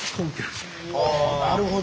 なるほど。